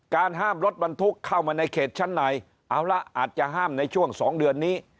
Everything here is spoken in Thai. ห้ามรถบรรทุกเข้ามาในเขตชั้นในเอาละอาจจะห้ามในช่วง๒เดือนนี้